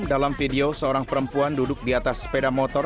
dalam video seorang perempuan duduk di atas sepeda motor